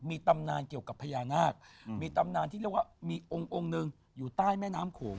มีตำนานเกี่ยวกับพญานาคมีตำนานที่เรียกว่ามีองค์หนึ่งอยู่ใต้แม่น้ำโขง